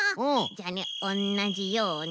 じゃあねおんなじように。